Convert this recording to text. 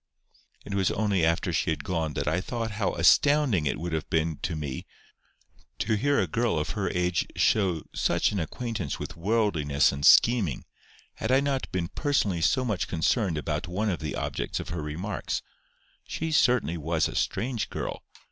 It was only after she had gone that I thought how astounding it would have been to me to hear a girl of her age show such an acquaintance with worldliness and scheming, had I not been personally so much concerned about one of the objects of her remarks. She certainly was a strange girl.